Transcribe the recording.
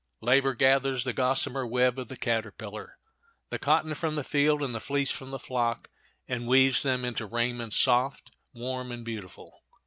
Labor gathers the gossamer web of the caterpillar, the cotton from the field, and the fleece from the flock, and weaves them into raiment soft, warm, and beautiful.